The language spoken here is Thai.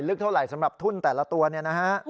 ลึกเท่าไรสำหรับทุนแต่ละตัวนี่นะฮะ